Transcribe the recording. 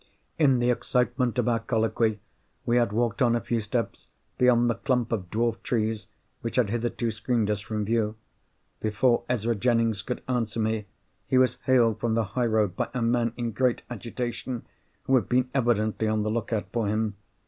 In the excitement of our colloquy, we had walked on a few steps, beyond the clump of dwarf trees which had hitherto screened us from view. Before Ezra Jennings could answer me, he was hailed from the high road by a man, in great agitation, who had been evidently on the look out for him.